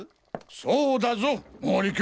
そうだぞ毛利君！